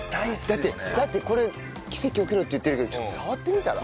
だってこれ「奇跡起きろ」って言ってるけどちょっと触ってみたら？